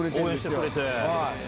応援してくれて？